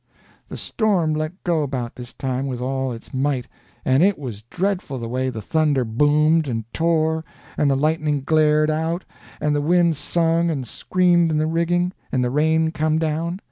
The storm let go about this time with all its might; and it was dreadful the way the thunder boomed and tore, and the lightning glared out, and the wind sung and screamed in the rigging, and the rain come down.